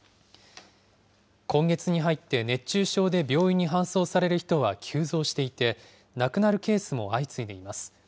今月に入って熱中症で病院に搬送される人は急増していて、亡くなるケースも相次いでいます。